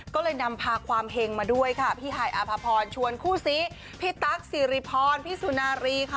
ก็เลยนำพาความเห็งมาด้วยค่ะพี่ฮายอภพรชวนคู่ซีพี่ตั๊กสิริพรพี่สุนารีค่ะ